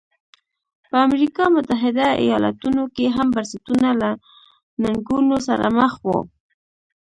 په امریکا متحده ایالتونو کې هم بنسټونه له ننګونو سره مخ وو.